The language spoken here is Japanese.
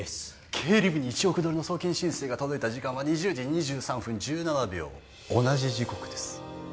経理部に１億ドルの送金申請が届いた時間は２０時２３分１７秒同じ時刻です